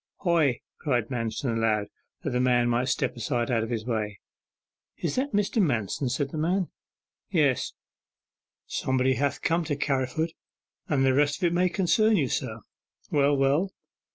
'Hoy!' cried Manston, aloud, that the man might step aside out of the way. 'Is that Mr. Manston?' said the man. 'Yes.' 'Somebody ha' come to Carriford: and the rest of it may concern you, sir.' 'Well, well.